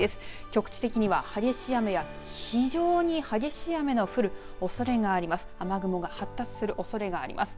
局地的には激しい雨や非常に激しい雨の降るおそれがあります。